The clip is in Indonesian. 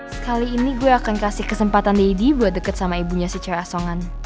sekali ini gue akan kasih kesempatan deddy buat deket sama ibunya si celia sok